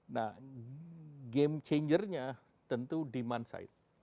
nah game changernya tentu demand side